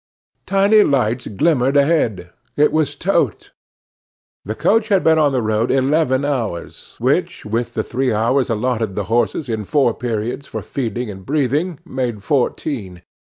Tiny lights glimmered ahead. It was Totes. The coach had been on the road eleven hours, which, with the three hours allotted the horses in four periods for feeding and breathing, made fourteen.